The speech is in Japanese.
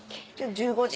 １５時。